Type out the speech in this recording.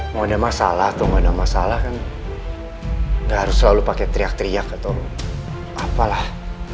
mau ada masalah atau nggak ada masalah kan nggak harus selalu pakai teriak teriak atau apalah